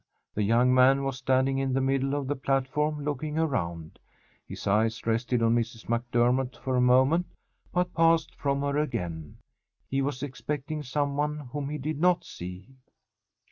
The young man was standing in the middle of the platform looking around. His eyes rested on Mrs. MacDermott for a moment, but passed from her again. He was expecting someone whom he did not see.